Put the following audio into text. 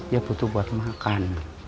ia butuh buat makan